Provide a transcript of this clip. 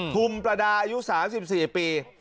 ถุ่มประดาษ์อายุ๓๔ปี